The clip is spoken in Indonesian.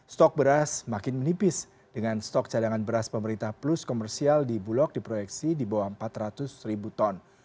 stok beras semakin menipis dengan stok cadangan beras pemerintah plus komersial di bulog diproyeksi di bawah empat ratus ribu ton